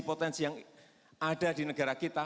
potensi yang ada di negara kita